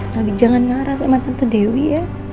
tapi jangan marah sama tante dewi ya